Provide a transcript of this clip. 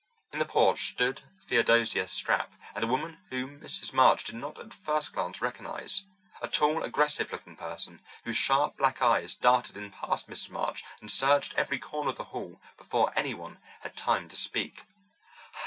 In the porch stood Theodosia Stapp and a woman whom Mrs. March did not at first glance recognize—a tall, aggressive looking person, whose sharp black eyes darted in past Mrs. March and searched every corner of the hall before anyone had time to speak.